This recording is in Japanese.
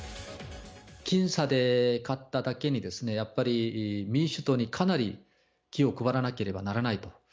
僅差で勝っただけに、やっぱり民主党にかなり気を配らなければならないと。